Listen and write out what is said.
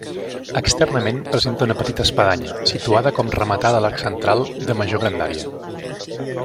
Externament presenta una petita espadanya, situada com rematada a l'arc central, de major grandària.